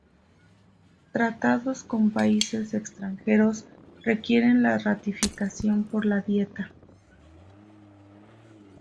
Tratados con países extranjeros requieren la ratificación por la Dieta.